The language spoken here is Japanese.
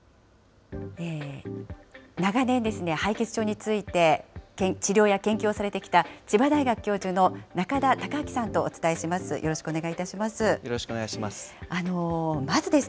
長年、敗血症について治療や研究をされてきた千葉大学教授の中田孝明さんとお伝えします。